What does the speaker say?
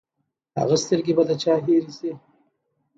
هغه سترګې به د چا هېرې شي!